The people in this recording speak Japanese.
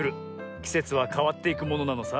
きせつはかわっていくものなのさ。